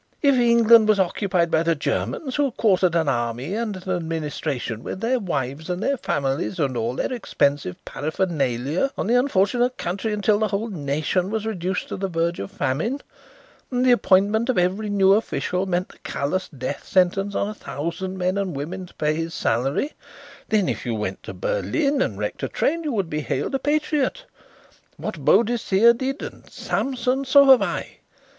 If England was occupied by the Germans who quartered an army and an administration with their wives and their families and all their expensive paraphernalia on the unfortunate country until the whole nation was reduced to the verge of famine, and the appointment of every new official meant the callous death sentence on a thousand men and women to pay his salary, then if you went to Berlin and wrecked a train you would be hailed a patriot. What Boadicea did and and Samson, so have I.